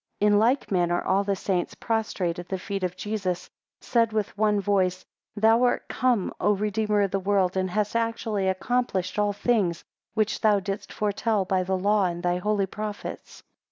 8 In like manner all the saints, prostrate at the feet of Jesus, said with one voice, Thou art come, O Redeemer of the world, and hast actually accomplished all things, which thou didst foretell by the law and thy holy prophets.